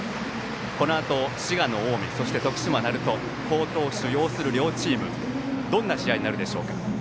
このあと滋賀の近江、徳島・鳴門好投手擁する両チームどんな試合になるでしょうか。